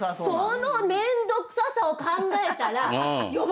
そのめんどくささを考えたら。